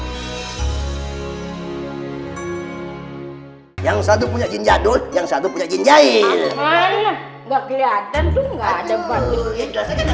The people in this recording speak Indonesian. hai yang satu punya jinjadul yang satu punya jinjahil enggak kelihatan tuh enggak ada